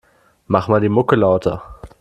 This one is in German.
Mach mal die Mucke lauter.